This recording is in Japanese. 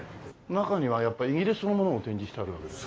中にはやっぱりイギリスのものを展示してあるんですか？